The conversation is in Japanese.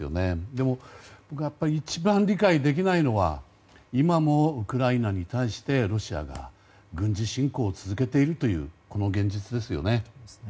でも、やっぱり一番理解できないのは今もウクライナに対してロシアが軍事侵攻を続けている現実ですよね。